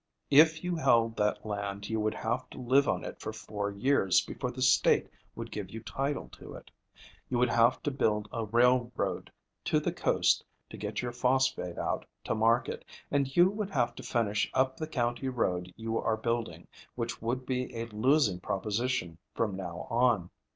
If you held that land you would have to live on it for four years before the state would give you title to it. You would have to build a railroad to the coast to get your phosphate out to market, and you would have to finish up the county road you are building, which would be a losing proposition from now on.